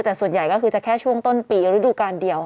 แต่ส่วนใหญ่ก็คือจะแค่ช่วงต้นปีฤดูกาลเดียว